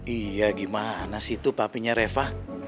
iya gimana sih itu papinya reva